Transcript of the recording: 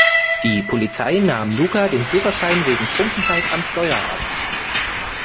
Die Polizei nahm Luca den Führerschein wegen Trunkenheit am Steuer ab.